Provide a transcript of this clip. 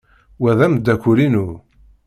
Wa d ameddakel-inu.